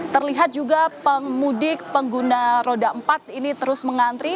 terlihat juga pemudik pengguna roda empat ini terus mengantri